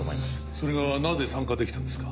それがなぜ参加出来たんですか？